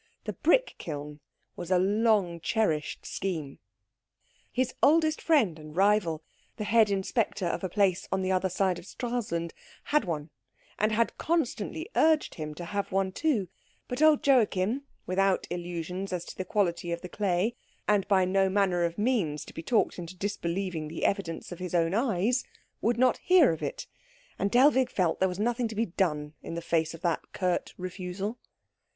The brick kiln was a long cherished scheme. His oldest friend and rival, the head inspector of a place on the other side of Stralsund, had one, and had constantly urged him to have one too; but old Joachim, without illusions as to the quality of the clay, and by no manner of means to be talked into disbelieving the evidence of his own eyes, would not hear of it, and Dellwig felt there was nothing to be done in the face of that curt refusal.